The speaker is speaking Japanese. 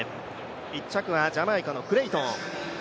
１着はジャマイカのクレイトン。